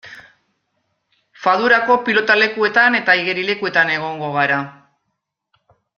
Fadurako pilotalekuetan eta igerilekuetan egongo gara.